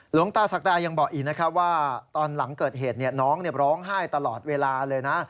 หลวงตาศักดายังบอกอีกนะครับว่าตอนหลังเกิดเหตุน้องร้องไห้ตลอดเวลาเลยนะ